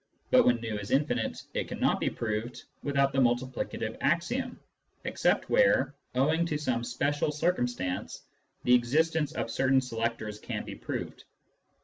But when v is infinite, it cannot be proved without the multiplicative axiom, except where, owing to some special cir cumstance, the existence of certain selectors can be proved.